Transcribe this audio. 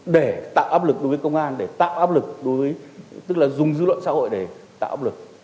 để tạo áp lực đối với công an tức là dùng dư luận xã hội để tạo áp lực